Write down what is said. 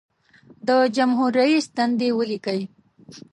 د جمهور رئیس دندې ولیکئ.